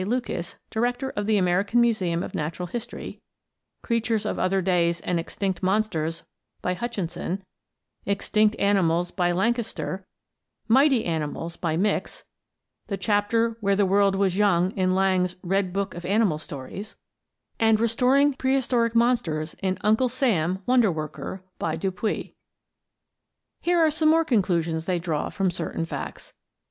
Lucas, director of the American Museum of Natural History; "Creatures of Other Days" and "Extinct Monsters," by Hutchinson; "Extinct Animals," by Lankester; "Mighty Animals," by Mix; the chapter "When the World was Young," in Lang's "Red Book of Animal Stories," and "Restoring Prehistoric Monsters" in "Uncle Sam, Wonder Worker," by Du Puy. Here are some more conclusions they draw from certain facts.